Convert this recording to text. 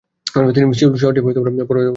Seoul শহরটি পর্বত দিয়ে ঘেরা।